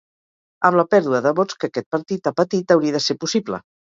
amb la pèrdua de vots que aquest partit ha patit hauria de ser possible